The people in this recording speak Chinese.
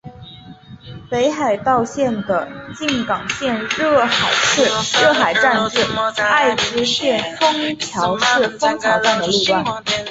东海道线的静冈县热海市热海站至爱知县丰桥市丰桥站的路段。